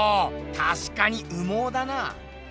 たしかに羽毛だな。